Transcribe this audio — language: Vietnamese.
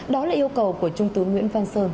đó là yêu cầu của trung tướng nguyễn văn sơn